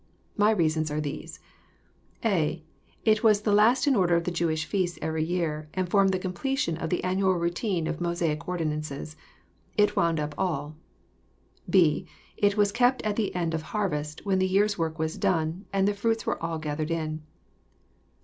My reasons are these :— (a.) It was the last in order of the Jewish feasts every year, and formed the completion of the annual routine of Mosaic ordinances. It wound up all. jipJ) It was kept at the end of harvest, when the year's work was done, and the fruits were all gathered in.